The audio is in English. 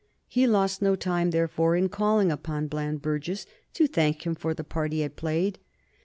He lost no time, therefore, in calling upon Bland Burges to thank him for the part he had played.